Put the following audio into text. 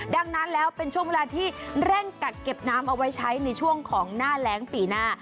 ดังนั้นแล้วเป็นช่วงเวลาที่เร่งกักเก็บน้ำเอาไว้ใช้ในช่วงของหน้าแรงปีหน้า